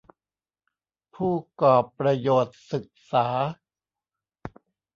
ผู้กอรปประโยชน์ศึกษา